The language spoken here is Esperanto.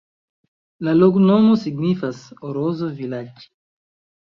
La loknomo signifas: rozo-vilaĝ'.